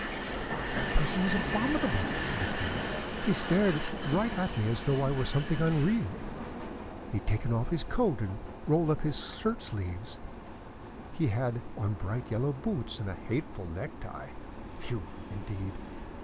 "Why, that person was abominable!" she declared. "He stared at me as though I were something unreal. He had taken off his coat and rolled his shirt sleeves up. He had on bright yellow boots and a hateful necktie. You, indeed!